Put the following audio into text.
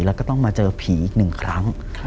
แล้วก็ต้องมาเจอผีอีกหนึ่งครั้ง